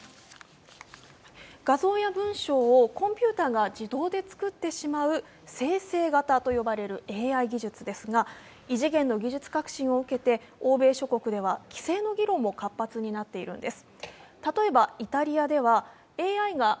画像や文章をコンピュータが自動で作ってしまう生成形と呼ばれるＡＩ技術ですが異次元の技術革新を受けて欧米諸国では規制の議論も活発になっているんです。